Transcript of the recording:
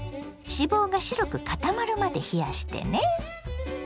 脂肪が白く固まるまで冷やしてね。